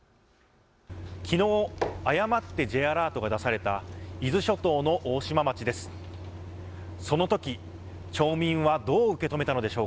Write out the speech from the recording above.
きのう誤ってＪアラートが出された伊豆諸島の大島町です。